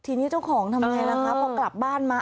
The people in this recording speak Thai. ที่แมวจ้าของทำไมละพอกลับบ้านมา